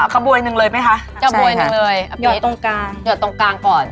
กระบวยหนึ่งเลยไปค่ะ